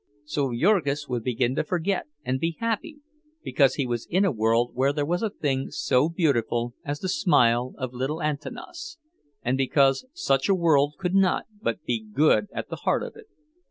So Jurgis would begin to forget and be happy because he was in a world where there was a thing so beautiful as the smile of little Antanas, and because such a world could not but be good at the heart of it.